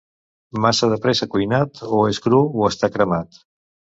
Massa de pressa cuinat, o és cru o està cremat.